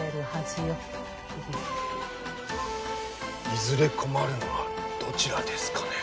いずれ困るのはどちらですかね。